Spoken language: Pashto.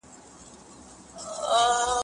نیلوفرو تلاوت د حسن وکړ